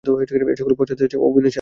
এই-সকলের পশ্চাতে আছে অবিনাশী আত্মা।